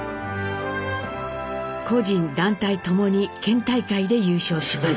個人団体ともに県大会で優勝します。